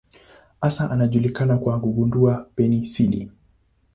Hasa anajulikana kwa kugundua penisilini.